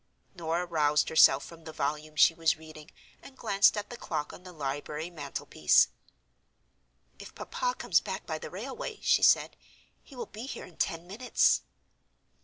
Norah roused herself from the volume she was reading, and glanced at the clock on the library mantel piece. "If papa comes back by the railway," she said, "he will be here in ten minutes."